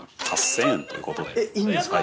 えっいいんですか？